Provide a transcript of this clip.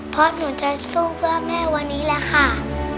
เพราะหนูจะสู้เพื่อแม่วันนี้แหละค่ะ